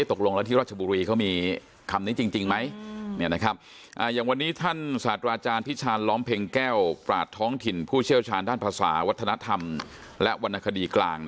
ตกลงแล้วที่ราชบุรีเขามีคำนี้จริงไหมอย่างวันนี้ท่านศาสตราอาจารย์พิชานล้อมเพ็งแก้วปราศท้องถิ่นผู้เชี่ยวชาญด้านภาษาวัฒนธรรมและวรรณคดีกลาง